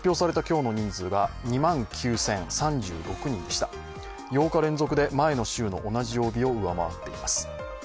８日連続で前の週の同じ曜日を上回っています。